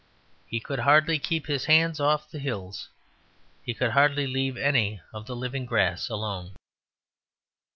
He could hardly keep his hands off the hills. He could hardly leave any of the living grass alone.